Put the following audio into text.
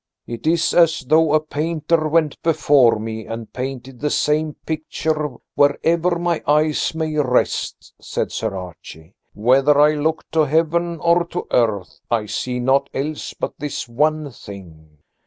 "It is as though a painter went before me and painted the same picture wherever my eyes may rest," said Sir Archie. "Whether I look to heaven or to earth I see naught else but this one thing."